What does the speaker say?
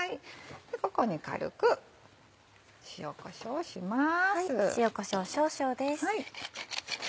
ここに軽く塩こしょうをします。